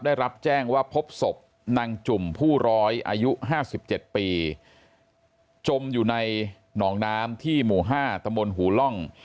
ได้รับแจ้งว่าพบศพนางจุ่มผู้ร้อยอายุ๕๗ปีจมอยู่ในหนองน้ำที่หมู่๕ตะมนต์หูล่อง